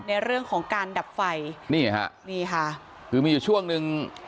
ในเรื่องของการดับไฟนี่ค่ะคือมีช่วงหนึ่ง